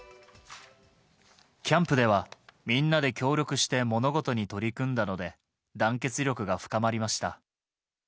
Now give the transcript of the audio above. キャンプでは、みんなで協力して物事に取り組んだので、団結力が深まりました。